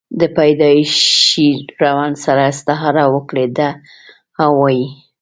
دَپيدائشي ړوند سره استعاره ورکړې ده او وائي: